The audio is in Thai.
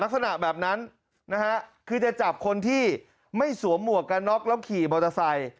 ลักษณะแบบนั้นนะฮะคือจะจับคนที่ไม่สวมหมวกกันน็อกแล้วขี่มอเตอร์ไซค์